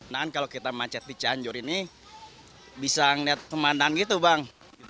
nahan kalau kita macet di cianjur ini bisa melihat pemandangan gitu bang